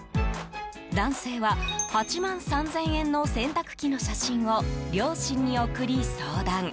男性は８万３０００円の洗濯機の写真を両親に送り相談。